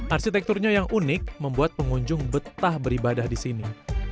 arsitekturnya yang unik membuat pengunjung betah beribadah di sini